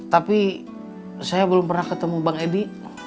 tapi saya belum pernah ketemu bang edi